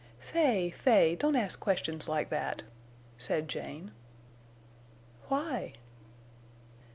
"Fay—Fay, don't ask questions like that," said Jane. "Why?"